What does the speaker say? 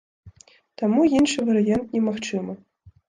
Таму, іншы варыянт немагчымы.